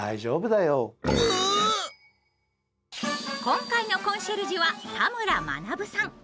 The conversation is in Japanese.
今回のコンシェルジュは田村学さん。